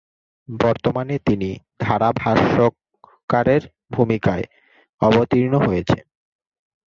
বর্তমানে তিনি ধারাভাষ্যকারের ভূমিকায় অবতীর্ণ হয়েছেন।